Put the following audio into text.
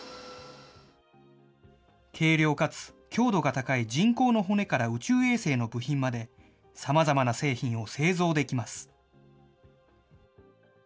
軽量かつ強度が高い人工の骨から宇宙衛星の部品まで、さまざまな製品を製造できます。